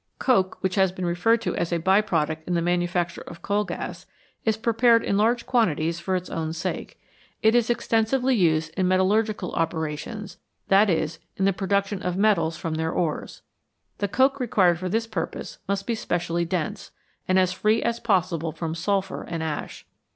Coke, which has been referred to as a by product in H8 MORE ABOUT FUEL the manufacture of coal gas, is prepared in large quan tities for its own sake. It is extensively used in metal lurgical operations, that is, in the production of metals from their ores. The coke required for this purpose must be specially dense, and as free as possible from sulphur and ash.